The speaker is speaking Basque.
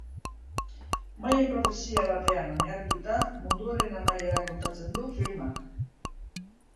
Maien profezia batean oinarrituta, munduaren amaiera kontatzen du filmak.